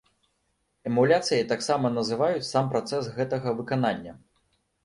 Эмуляцыяй таксама называюць сам працэс гэтага выканання.